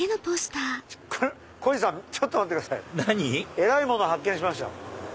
えらいもの発見しましたよ。